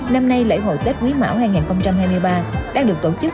năm nay lễ hội tết quý mão hai nghìn hai mươi ba đang được tổ chức